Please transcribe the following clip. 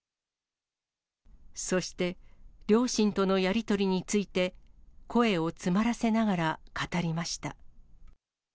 そして、両親とのやり取りについて、声を詰まらせながら語りました。